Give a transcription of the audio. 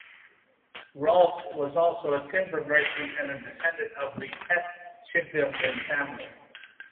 Rolt was also a timber merchant and a descendant of the Pett shipbuilding family.